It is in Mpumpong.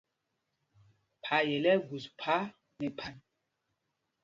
Phayel ɛ́ ɛ́ gus phā nɛ phan.